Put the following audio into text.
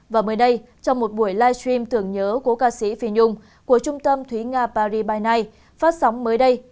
và mới đây trong một buổi live stream tưởng nhớ cô ca sĩ phi nhung của trung tâm thúy nga paris by night phát sóng mới đây